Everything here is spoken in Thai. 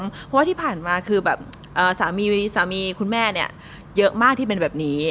เพราะว่าที่ผ่านมาคือแบบสามีสามีคุณแม่เนี่ยเยอะมากที่เป็นแบบนี้